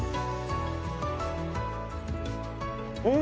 うん！